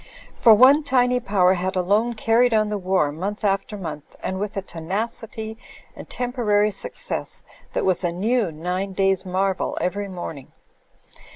For one tiny power had alone carried on the war month after month, and with a tenacity and tempo rary success that was a new nine days marvel every morning.